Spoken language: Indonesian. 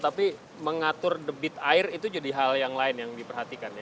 tapi mengatur debit air itu jadi hal yang lain yang diperhatikan ya